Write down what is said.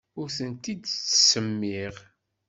Ur tent-id-ttsemmiɣ.